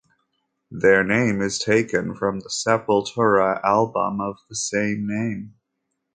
Their name is taken from the Sepultura album of the same name.